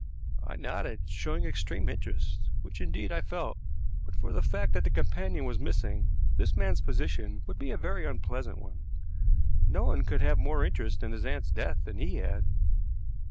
I nodded, showing extreme interest which, indeed, I felt. But for the fact that the companion was missing, this man's position would be a very unpleasant one. No one could have more interest in his aunt's death than he had.